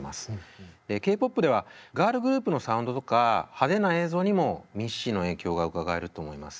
ＫーＰｏｐではガールグループのサウンドとか派手な映像にもミッシーの影響がうかがえると思います。